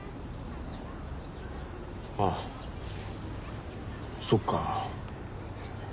ああそっか。